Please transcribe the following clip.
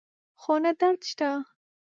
خو نه درد شته